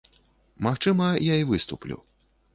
Магчыма, я і выступлю.